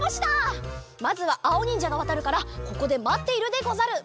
まずはあおにんじゃがわたるからここでまっているでござる。